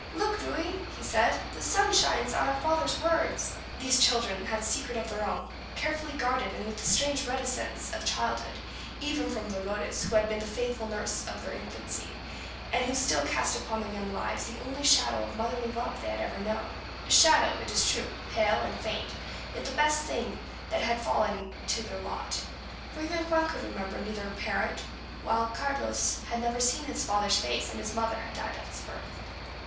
"Look, Ruy," he said, "the sun shines on our father's words!" These children had a secret of their own, carefully guarded, with the strange reticence of childhood, even from Dolores, who had been the faithful nurse of their infancy, and who still cast upon their young lives the only shadow of motherly love they had ever known a shadow, it is true, pale and faint, yet the best thing that had fallen to their lot: for even Juan could remember neither parent; while Carlos had never seen his father's face, and his mother had died at his birth.